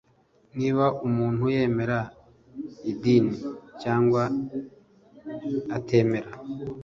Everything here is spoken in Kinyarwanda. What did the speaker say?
niba umuntu yemera idini cyangwa atemera